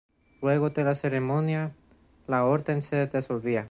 Luego de la ceremonia, la orden se disolvía.